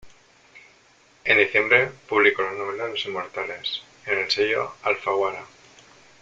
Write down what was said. En diciembre publicó la novela "Los inmortales" en el sello Alfaguara.